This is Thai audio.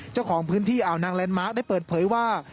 เจ้าของพื้นที่อ่าวนางแลนดมะได้เปิดเผยว่า